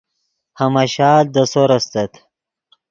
ہماشال دے سور استت